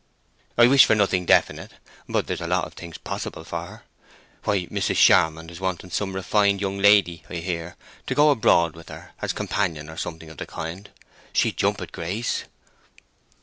"I wish for nothing definite. But there's a lot of things possible for her. Why, Mrs. Charmond is wanting some refined young lady, I hear, to go abroad with her—as companion or something of the kind. She'd jump at Grace."